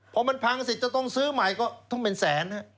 พอมันพังเสร็จจะต้องซื้อใหม่ก็ต้องเป็นแสน